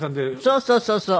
そうそうそうそう。